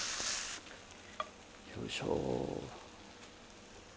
よいしょ。